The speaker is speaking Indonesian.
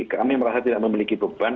kami merasa tidak memiliki beban